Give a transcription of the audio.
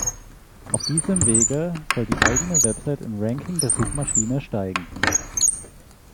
Auf diesem Wege soll die eigene Website im Ranking der Suchmaschine steigen.